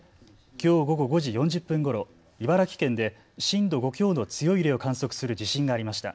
きょう午後５時４０分ごろ茨城県で震度５強の強い揺れを観測する地震がありました。